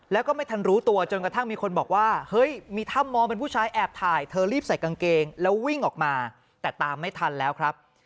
แล้วก็ไม่ทันรู้ตัวจนกระทั่งมีคนบอกว่าเฮ้ยมีถ้ำมองเป็นผู้ชายแอบถ่ายเธอรีบใส่กางเกงแล้ววิ่งออกมาแต่ตามไม่ทันแล้วครับ